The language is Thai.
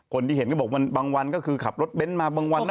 คนที่เห็นก็บอกบางวันก็คือขับรถเบ้นมาบางวันนะ